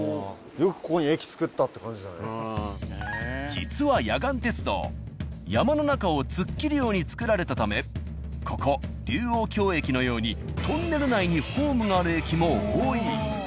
実は野岩鉄道山の中を突っ切るようにつくられたためここ龍王峡駅のようにトンネル内にホームがある駅も多い。